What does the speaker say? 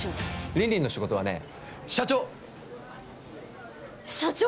凜々の仕事はね社長社長？